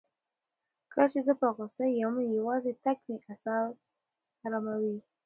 کله چې زه په غوسه یم، یوازې تګ مې اعصاب اراموي.